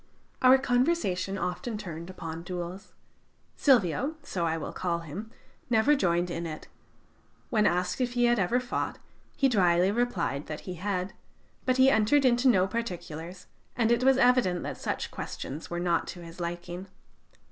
Our conversation often turned upon duels. Silvio so I will call him never joined in it. When asked if he had ever fought, he dryly replied that he had; but he entered into no particulars, and it was evident that such questions were not to his liking.